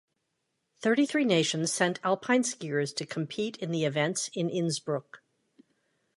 Thirty-three nations sent alpine skiers to compete in the events in Innsbruck.